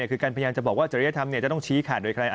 คือการพยายามจะบอกว่าจริยธรรมจะต้องชี้ขาดโดยใคร